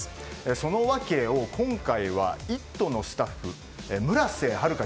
その訳を今回は「イット！」のスタッフの村瀬晴香